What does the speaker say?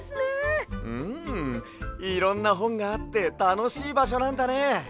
うんいろんなほんがあってたのしいばしょなんだね。